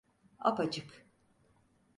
Apaçık.